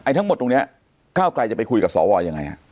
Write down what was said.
ไอ้ทั้งหมดตรงนี้เข้ากายจะไปคุยกับศวยังไง